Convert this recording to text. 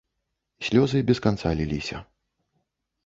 Слёзы без канца ліліся.